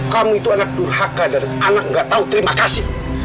kamu itu anak durhaka dan anak gak tahu terima kasih